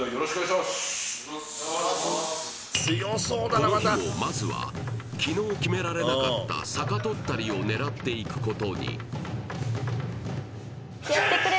この日もまずは昨日決められなかった逆取ったりを狙っていくことにはっけよい！